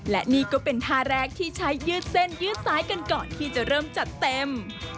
และนี่ก็เป็นท่าแรกที่ใช้ยืดเส้นยืดซ้ายกันก่อนที่จะเริ่มจัดเต็ม